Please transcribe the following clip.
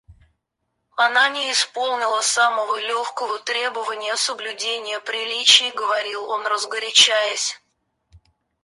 Она не исполнила самого легкого требования — соблюдения приличий, — говорил он разгорячаясь.